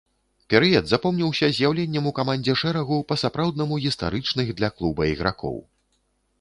Перыяд запомніўся з'яўленнем у камандзе шэрагу па-сапраўднаму гістарычных для клуба ігракоў.